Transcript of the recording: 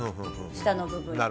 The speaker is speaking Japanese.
下の部分は。